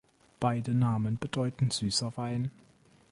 Beide Namen bedeuten „süßer Wein“.